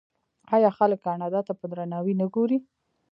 آیا خلک کاناډا ته په درناوي نه ګوري؟